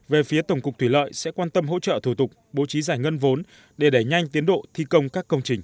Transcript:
về phía tổng cục thủy lợi sẽ quan tâm hỗ trợ thủ tục bố trí giải ngân vốn để đẩy nhanh tiến độ thi công các công trình